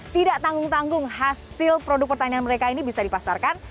tidak tanggung tanggung hasil produk pertanian mereka ini bisa dipasarkan